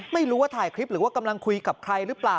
ไม่รู้ว่าถ่ายคลิปหรือว่ากำลังคุยกับใครหรือเปล่า